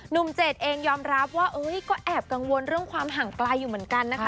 เจดเองยอมรับว่าก็แอบกังวลเรื่องความห่างไกลอยู่เหมือนกันนะคะ